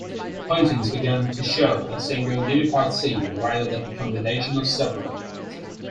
Paintings began to show a single, unified scene, rather than a combination of several.